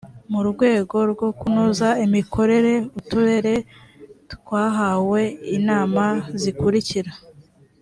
mu rwego rwo kunoza imikorere uturere twahawe inama zikurikira